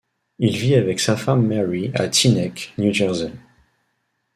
Il vit avec sa femme Mary à Teaneck, New Jersey.